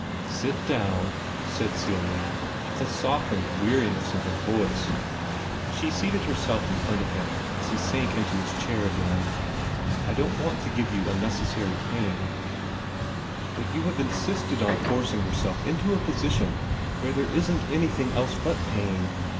"Sit down," said Celia, with a softened weariness in her voice. She seated herself in front of him as he sank into his chair again. "I don't want to give you unnecessary pain, but you have insisted on forcing yourself into a position where there isn't anything else but pain.